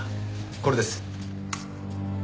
これです。